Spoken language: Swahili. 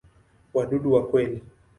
Wadudu wa kweli.